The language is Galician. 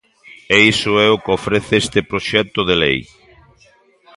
E iso é o que ofrece este proxecto de lei.